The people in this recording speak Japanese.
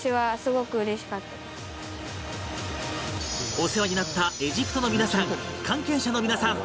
お世話になったエジプトの皆さん関係者の皆さん